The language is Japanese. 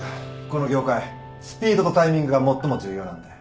この業界スピードとタイミングが最も重要なんで。